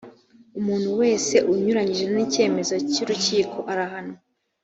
umuntu wese unyuranyije n icyemezo cy’ urukiko arahanwa.